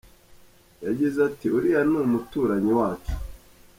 Yagize ati “Uriya ni umuturanyi wacu.